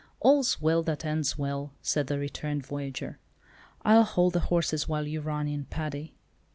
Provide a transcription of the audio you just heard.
"All's well that ends well," said the returned voyager. "I'll hold the horses while you run in, Paddy!"